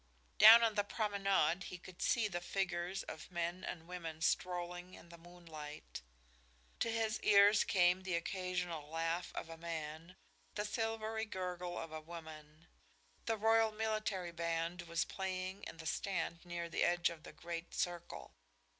Down on the promenade he could see the figures of men and women strolling in the moonlight. To his ears came the occasional laugh of a man, the silvery gurgle of a woman. The royal military band was playing in the stand near the edge of the great circle.